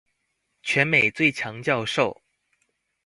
全美最強教授